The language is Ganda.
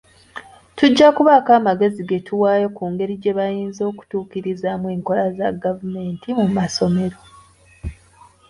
Tujja kubaako amagezi getuwaayo ku ngeri gye bayinza okutuukirizamu enkola za gavumenti mu masomero.